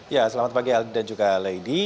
ya selamat pagi aldi dan juga lady